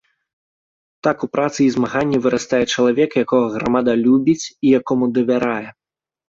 Так у працы і змаганні вырастае чалавек, якога грамада любіць і якому давярае.